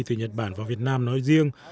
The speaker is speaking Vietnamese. từ nhật bản và việt nam nói riêng